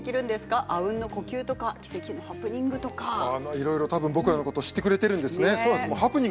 いろいろ多分僕らのことを知ってくれているんですね。